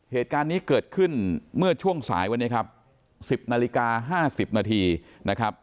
เหตุการณ์นี้เกิดขึ้นเมื่อช่วงสายวันนี้ครับ๑๐นาฬิกา๕๐นาทีนะครับ